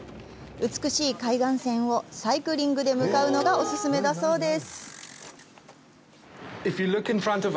美しい海岸線をサイクリングで向かうのがお勧めだそうです。